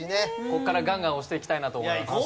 ここからガンガン押していきたいなと思います。